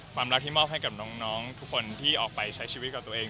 ความรักที่มอบให้กับน้องทุกคนที่ออกไปใช้ชีวิตกับตัวเอง